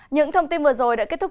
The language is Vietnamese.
những thông tin vừa rồi đã kết thúc